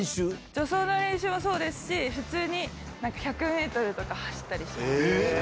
助走の練習もそうですし、普通になんか１００メートルとか走ったりしてます。